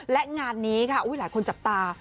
และงานนี้ค่ะหลายคนจับตา